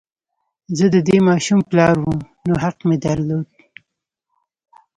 زه د دې ماشوم پلار وم نو حق مې درلود